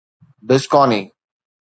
بسڪاني